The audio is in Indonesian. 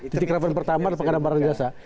titik rawan pertama adalah pengadaan barang dan jasa